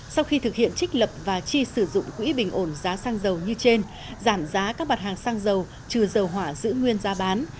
sau khi thực hiện trích lập và chi sử dụng quỹ bình ổn giá xăng dầu như trên giảm giá các mặt hàng xăng dầu trừ dầu hỏa giữ nguyên giá bán